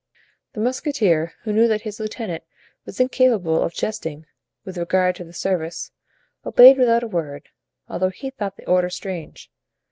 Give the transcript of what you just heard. The musketeer, who knew that his lieutenant was incapable of jesting with regard to the service, obeyed without a word, although he thought the order strange.